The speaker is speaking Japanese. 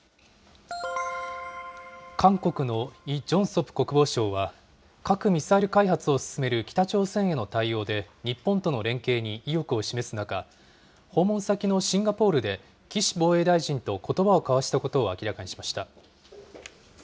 韓国のイ・ジョンソプ国防相は、核・ミサイル開発を進める北朝鮮への対応で日本との連携に意欲を示す中、訪問先のシンガポールで、岸防衛大臣とことばを交わしたことを明らかにしました。